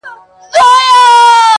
چي سر نه وي گودر نه وي.